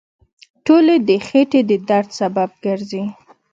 ټولې د خېټې د درد سبب ګرځي.